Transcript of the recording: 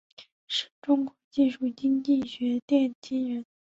是中国技术经济学奠基人。